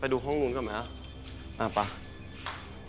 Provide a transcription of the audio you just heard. ไปดูห้องนู้นก่อนนะอ่าไป